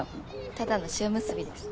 ただの塩むすびです。